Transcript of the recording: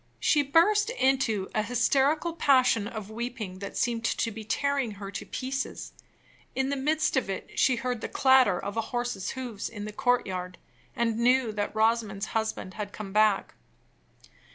She burst into an hysterical passion of weeping that seemed to be tearing her to pieces. In the midst of it she heard the clatter of a horse's hoofs in the courtyard, and knew that Rosamond's husband had come back.